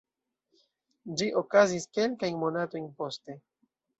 Ĝi okazis kelkajn monatojn poste.